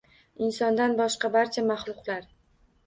Insondan boshqa barcha maxluqlar